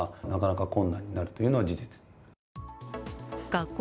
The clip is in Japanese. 学校